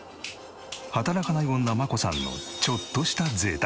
働かない女真子さんのちょっとした贅沢。